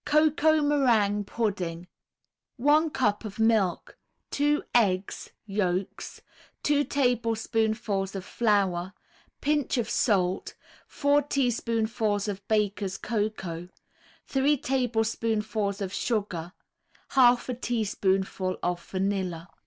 COCOA MERINGUE PUDDING 1 cup of milk, 2 eggs (yolks), 2 tablespoonfuls of flour, Pinch of salt, 4 teaspoonfuls of Baker's Cocoa, 3 tablespoonfuls of sugar, 1/2 a teaspoonful of vanilla.